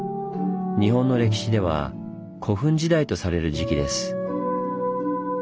日本の歴史では古墳時代とされる時期です。